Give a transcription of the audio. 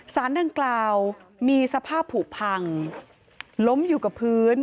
สารดังกล่าวมีสภาพผูกพังล้มอยู่กับพื้น